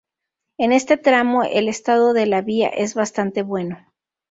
En este tramo, el estado de la vía es bastante bueno.